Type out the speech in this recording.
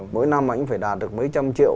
mỗi năm anh phải đạt được mấy trăm triệu